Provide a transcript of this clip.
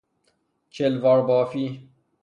چلوار بافی